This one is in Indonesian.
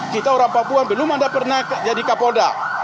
kita orang papua belum ada pernah jadi kapolda